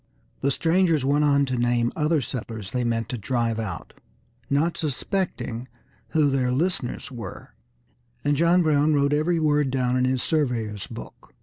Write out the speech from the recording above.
The strangers went on to name other settlers they meant to drive out, not suspecting who their listeners were, and John Brown wrote every word down in his surveyor's book.